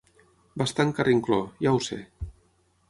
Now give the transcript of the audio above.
Bastant carrincló, ja ho sé.